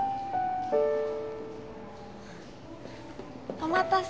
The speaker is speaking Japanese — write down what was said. お待たせ。